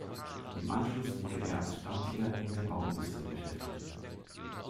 Im Anschluss wurde er als Statiker in der Bauindustrie beschäftigt.